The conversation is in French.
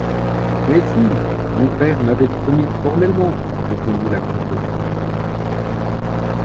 Mais si, mon père m'avait promis formellement, répondit la comtesse.